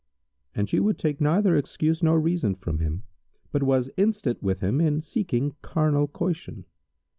And she would take neither excuse nor reason from him, but was instant with him in seeking carnal coition.